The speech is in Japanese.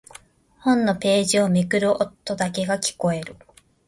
本のページをめくる音だけが聞こえる。